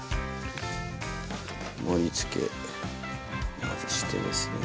盛りつけまずしてですね。